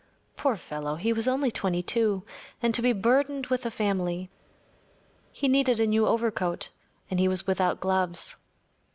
Poor fellow, he was only twenty two‚ÄĒand to be burdened with a family! He needed a new overcoat and he was without gloves.